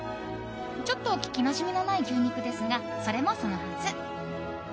ちょっと聞きなじみのない牛肉ですがそれもそのはず。